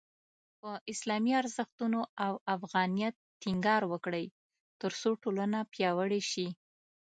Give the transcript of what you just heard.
په اسلامي ارزښتونو او افغانیت ټینګار وکړئ، ترڅو ټولنه پیاوړې شي.